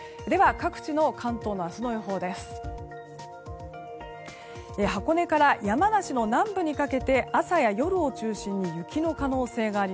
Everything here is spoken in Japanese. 各地の関東の明日の予報です。